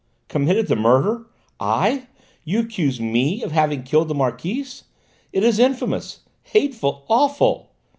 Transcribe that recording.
"Committed the murder? I? You accuse me of having killed the Marquise? It is infamous, hateful, awful!"